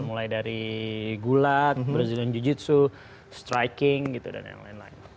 mulai dari gulat brazilian jiu jitsu striking gitu dan yang lain lain